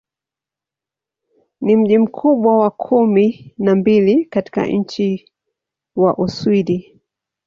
Ni mji mkubwa wa kumi na mbili katika nchi wa Uswidi.